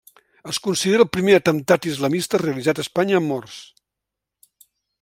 Es considera el primer atemptat islamista realitzat a Espanya amb morts.